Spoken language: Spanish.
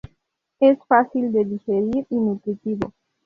Es fácil de digerir y nutritivo.